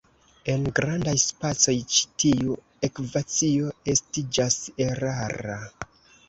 En grandaj spacoj, ĉi tiu ekvacio estiĝas erara.